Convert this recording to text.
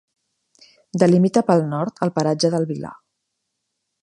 Delimita pel nord el paratge del Vilar.